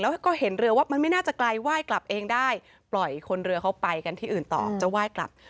แล้วก็เห็นเรือว่ามันไม่น่าจะไกลไหว้กลับเองได้ปล่อยคนเรือเขาไปกันที่อื่นต่อจะไหว้กลับ